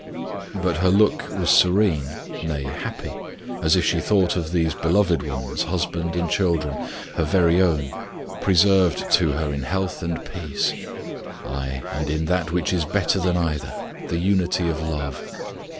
But her look was serene, nay, happy; as if she thought of these beloved ones, husband and children her very own preserved to her in health and peace, ay, and in that which is better than either, the unity of love.